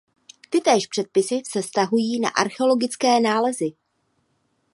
Tytéž předpisy se vztahují na archeologické nálezy.